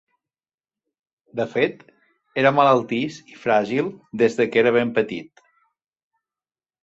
De fet, era malaltís i fràgil des que era ben petit.